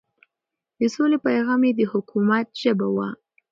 د سولې پيغام يې د حکومت ژبه وه.